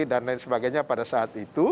dan lain sebagainya pada saat itu